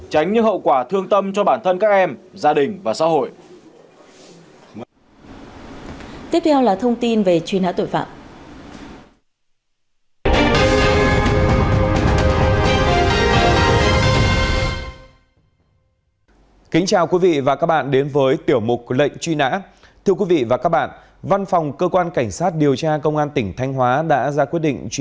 tránh những hậu quả thương tâm cho bản thân các em gia đình và xã hội